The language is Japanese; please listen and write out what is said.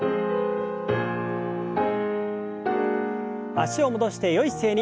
脚を戻してよい姿勢に。